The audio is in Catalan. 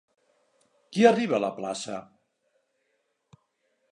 Qui arriba a la plaça?